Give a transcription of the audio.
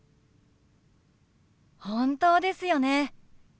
本当ですよね。